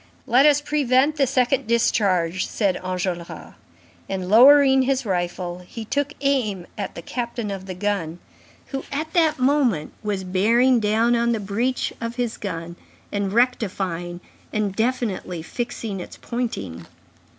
"Let us prevent the second discharge," said Enjolras. And, lowering his rifle, he took aim at the captain of the gun, who, at that moment, was bearing down on the breach of his gun and rectifying and definitely fixing its pointing.